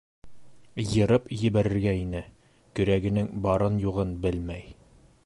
Йырып ебәрергә ине - көрәгенең барын-юғын белмәй.